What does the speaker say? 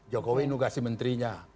jokowi nukasi menterinya